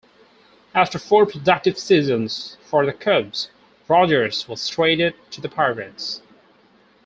After four productive seasons for the Cubs, Rodgers was traded to the Pirates.